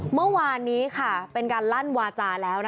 เมื่อวานนี้เป็นการลั่นวาจาแล้ว